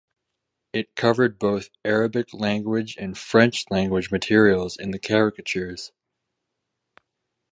It covered both Arabic language and French language materials in the caricatures.